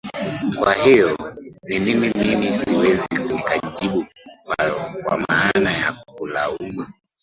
kwa hiyo ni nini mimi siwezi nikajibu kwa maana ya kulaumu